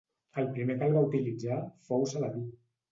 El primer que el va utilitzar fou Saladí.